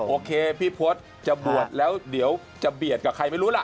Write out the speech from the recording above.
โอเคพี่โพจากรรมการปวดแล้วเดี๋ยวจะเบียดกับใครไม่รู้หล่ะ